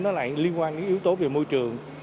nó lại liên quan đến yếu tố về môi trường